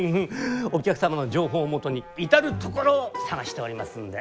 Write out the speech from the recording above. お客様の情報をもとに至る所を探しておりますので。